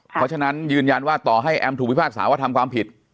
เพราะฉะนั้นยืนยันว่าต่อให้แอมถูกพิพากษาว่าทำความผิด